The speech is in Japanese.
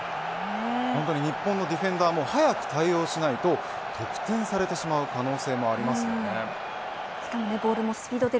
本当に日本のディフェンダーも早く対応しないと得点されてしまう可能性もありますね。